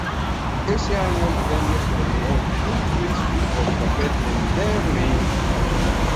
Ese año el premio se lo llevó Julie Christie por su papel en "Darling".